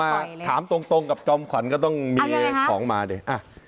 มาถามตรงกับจอมขวัญก็ต้องมีของมาดิ